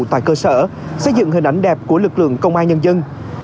tại cơ sở xây dựng hình ảnh đẹp của lực lượng công an nhân dân